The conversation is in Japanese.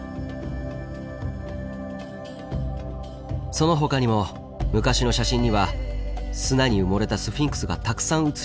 そのほかにも昔の写真には砂に埋もれたスフィンクスがたくさん写し出されています。